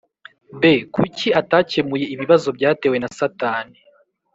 b Kuki atakemuye ibibazo byatewe na Satani